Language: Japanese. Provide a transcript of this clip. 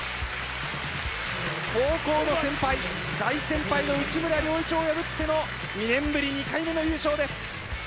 高校の先輩大先輩の内村良一を破っての２年ぶり２回目の優勝です。